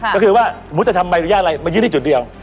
ก็คือว่าหมุนทางจะทำอะไรยืมที่จุดเดียว